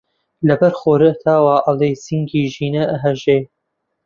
لەبەر خۆرەتاوا ئەڵێی سینگی ژینە ئەهاژێ